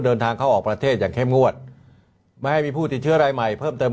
เดินทางเข้าออกประเทศอย่างเข้มงวดไม่ให้มีผู้ติดเชื้อรายใหม่เพิ่มเติม